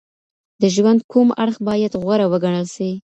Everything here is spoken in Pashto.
د ژوند کوم اړخ باید غوره وګڼل سي؟